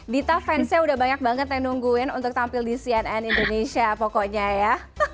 dita fansnya udah banyak banget yang nungguin untuk tampil di cnn indonesia pokoknya ya